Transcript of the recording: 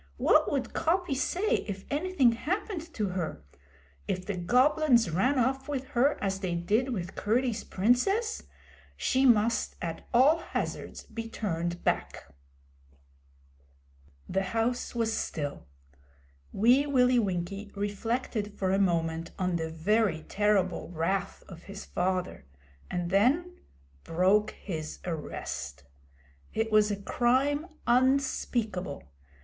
What would Coppy say if anything happened to her? If the Goblins ran off with her as they did with Curdie's Princess? She must at all hazards be turned back. The house was still. Wee Willie Winkie reflected for a moment on the very terrible wrath of his father; and then broke his arrest! It was a crime unspeakable.